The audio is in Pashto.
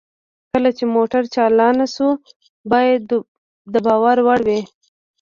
کله چې موټر چالان شو باید د باور وړ وي